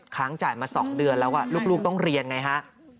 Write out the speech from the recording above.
ค้างจ่ายมา๒เดือนแล้วลูกต้องเรียนไงฮะ